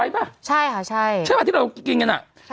๕๐๐๖๐๐ปะใช่ไหมที่เรากินงั้นอ่ะใช่ครับ